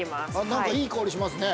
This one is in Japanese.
◆何か、いい香りしますね。